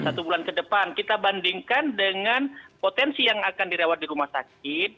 satu bulan ke depan kita bandingkan dengan potensi yang akan dirawat di rumah sakit